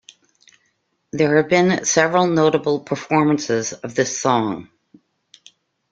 There have been several notable performances of this song.